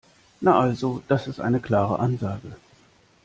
Na also, das ist eine klare Ansage.